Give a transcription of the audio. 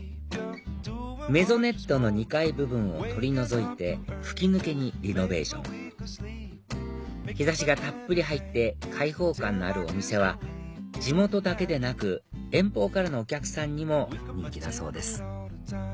メゾネットの２階部分を取り除いて吹き抜けにリノベーション日差しがたっぷり入って開放感のあるお店は地元だけでなく遠方からのお客さんにも人気だそうです